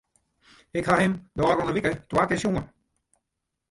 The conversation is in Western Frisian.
Ik ha him de ôfrûne wike twa kear sjoen.